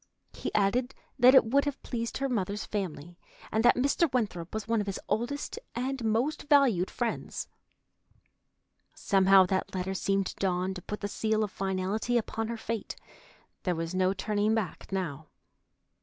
He added that it would have pleased her mother's family, and that Mr. Winthrop was one of his oldest and most valued friends. Somehow that letter seemed to Dawn to put the seal of finality upon her fate. There was no turning back now.